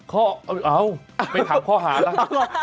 ข้อเอ้าไปถามข้อหาล่ะ